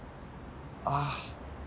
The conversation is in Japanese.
ああ。